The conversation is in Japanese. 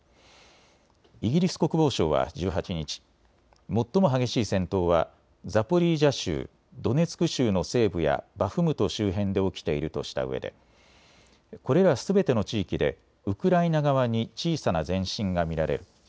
イギリス国防省は１８日、最も激しい戦闘はザポリージャ州、ドネツク州の西部やバフムト周辺で起きているとしたうえでこれらすべての地域でウクライナ側に小さな前進が見られる。